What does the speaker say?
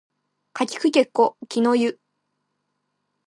かきくけこきのゆ